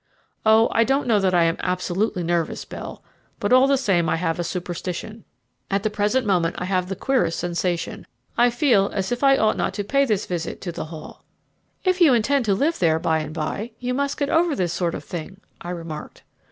"Oh, I don't know that I am absolutely nervous, Bell, but all the same I have a superstition. At the present moment I have the queerest sensation; I feel as if I ought not to pay this visit to the Hall." "If you intend to live there by and by, you must get over this sort of thing," I remarked.